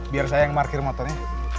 biar saya yang markir fotonya